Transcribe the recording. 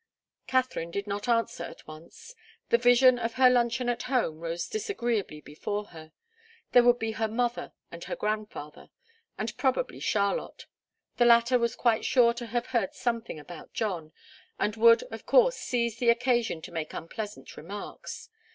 Katharine did not answer at once. The vision of her luncheon at home rose disagreeably before her there would be her mother and her grandfather, and probably Charlotte. The latter was quite sure to have heard something about John, and would, of course, seize the occasion to make unpleasant remarks.